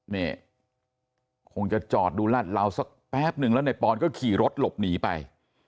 นี่คงจะจอดดูลาดเหลาสักแป๊บนึงแล้วในปอนก็ขี่รถหลบหนีไป